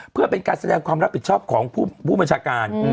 เพื่อเป็นการแสดงความรับผิดชอบของผู้บัญชาการ